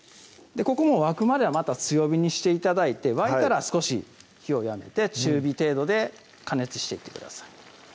ここも沸くまではまた強火にして頂いて沸いたら少し火を弱めて中火程度で加熱していってください